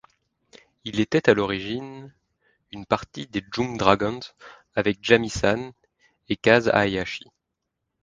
Il était à l'origine une partie des Jung Dragons avec Jamie-San et Kaz Hayashi.